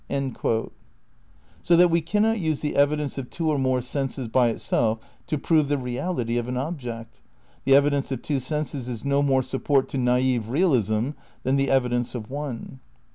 ^ So that we cannot use the evidence of two or more senses by itself to prove the reality of an object. The evidence of two senses is no more support to naif re alism than the evidence of one.